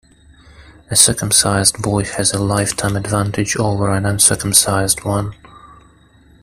A circumcised boy has a lifetime advantage over an uncircumcised one.